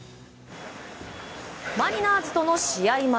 マリナーズとの試合前。